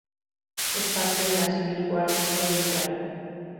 Es parte de la Civil War Discovery Trail.